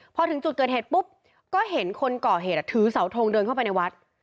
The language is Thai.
พอถึงจุดเกิดเหตุปุ๊บก็เห็นคนก่อเหตุถือเสาทงเดินเข้าไปในวัด